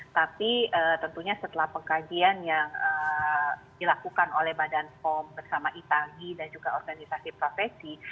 tapi tentunya setelah pengkajian yang dilakukan oleh badan pom bersama itagi dan juga organisasi profesi